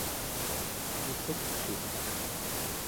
iquklukek